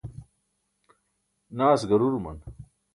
naas garuruman